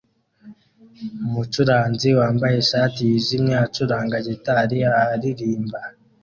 Umucuranzi wambaye ishati yijimye acuranga gitari araririmba